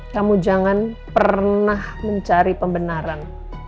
kamu jangan pernah mencari pembenaran